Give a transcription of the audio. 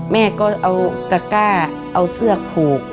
แม่ก็เอาตะก้าเอาเสื้อผูก